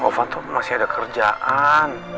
ovan tuh masih ada kerjaan